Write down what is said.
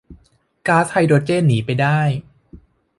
ก๊าซไฮโดรเจนหนีไปได้